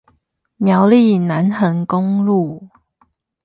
苗栗南橫公路